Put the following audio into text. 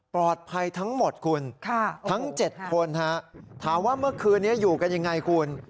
ปลอดภัยทั้งหมดคุณทั้ง๗คนฮะถามว่าเมื่อคืนนี้อยู่กันอย่างไรคุณ